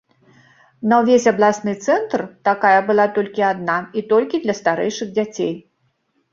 На ўвесь абласны цэнтр такая была толькі адна і толькі для старэйшых дзяцей.